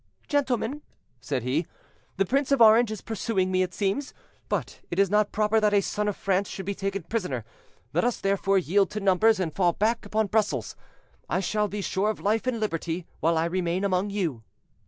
"Gentlemen," said he, "the Prince of Orange is pursuing me, it seems; but it is not proper that a son of France should be taken prisoner. Let us, therefore, yield to numbers, and fall back upon Brussels. I shall be sure of life and liberty while I remain among you."